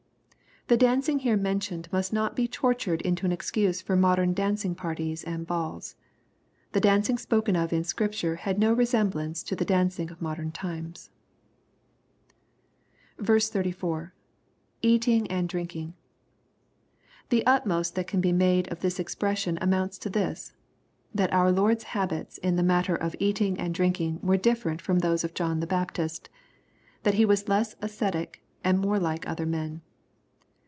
] The dancing here mentioned must not be tortured into an excuse for modem dandng^parties and balla The dancing spoken of in Scripture had no resemblance to the dancing of modem times. 34. — [Eatmg and drinking.] The utmost that can be made of this expression amounts to this, that our Lord's habits in the matter of eating and drinking were different from those of John the Baptist, that He was less ascetic, and more like other men.